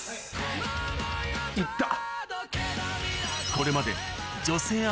行った。